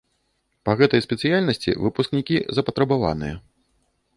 Па гэтай спецыяльнасці выпускнікі запатрабаваныя.